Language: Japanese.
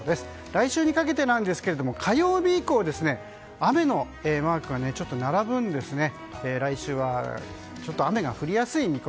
来週にかけてですが火曜日以降雨のマークが並ぶんですね。